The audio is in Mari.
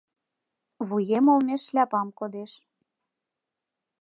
Вуем олмеш шляпам кодеш